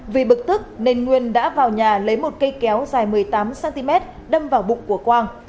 vì bực tức nên nguyên đã vào nhà lấy một cây kéo dài một mươi tám cm đâm vào bụng của quang